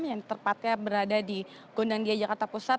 yang terpatah berada di gondang dia jakarta pusat